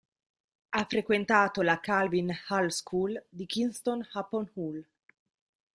Ha frequentato la Kelvin Hall School di Kingston upon Hull.